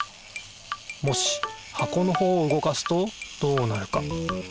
もし箱のほうを動かすとどうなるか？